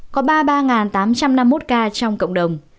có ba mươi ba tám trăm năm mươi một ca trong cộng đồng